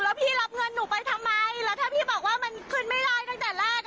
แล้วพี่รับเงินหนูไปทำไมแล้วถ้าพี่บอกว่ามันขึ้นไม่ได้ตั้งแต่แรก